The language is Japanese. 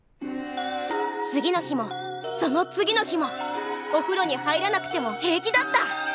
次の日もその次の日もおふろに入らなくても平気だった。